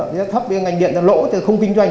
giá thấp thì ngành điện lỗ thì không kinh doanh